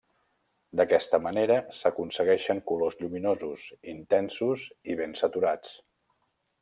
D'aquesta manera, s'aconsegueixen colors lluminosos, intensos i ben saturats.